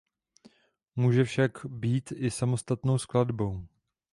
Může však být i samostatnou skladbou.